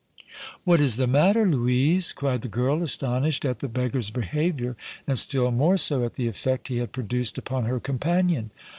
"What is the matter, Louise?" cried the girl, astonished at the beggar's behavior and still more so at the effect he had produced upon her companion.